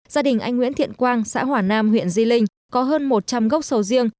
gia đình anh nguyễn thiện quang xã hỏa nam huyện di linh có hơn một trăm linh gốc sầu riêng